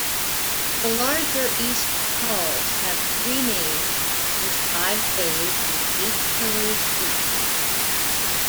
The larger east halls have three naves with five bays and eight pillars each.